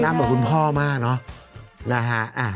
หน้าเหมือนคุณพ่อมากเนาะ